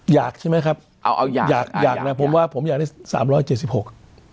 อยากใช่ไหมครับเอาเอาอยากอยากอยากอยากนะผมว่าผมอยากได้สามร้อยเจ็ดสิบหก